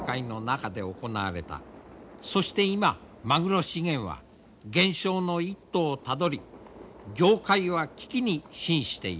そして今マグロ資源は減少の一途をたどり業界は危機にひんしている。